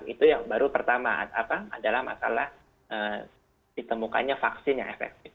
itu yang baru pertama adalah masalah ditemukannya vaksin yang efektif